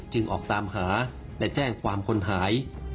ออกตามหาและแจ้งความคนหาย